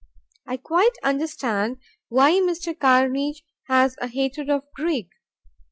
I quite understand why Mr. Carnegie has a hatred of Greek.